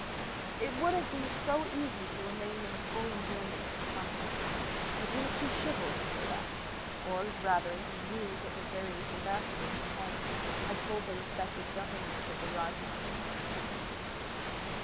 It would have been so easy to remain in the full enjoyment of his conquest; but he was too chivalrous for that, or, rather, he knew that the various ambassadors in Paris had told their respective governments of the rising scandal.